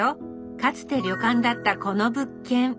かつて旅館だったこの物件。